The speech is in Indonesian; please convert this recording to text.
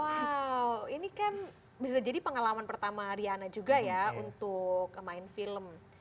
wow ini kan bisa jadi pengalaman pertama riana juga ya untuk main film